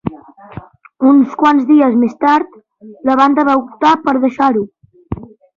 Uns quants dies més tard, la banda va optar per deixar-ho.